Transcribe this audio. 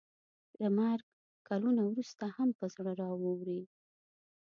له مرګ کلونه وروسته هم په زړه راووري.